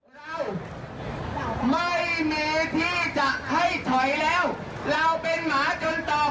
เราไม่มีที่จะให้ถอยแล้วเราเป็นหมาจนตอบ